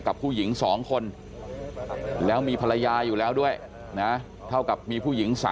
กับผู้หญิง๒คนแล้วมีภรรยาอยู่แล้วด้วยนะเท่ากับมีผู้หญิง๓